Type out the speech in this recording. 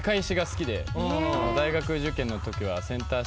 大学受験のときは。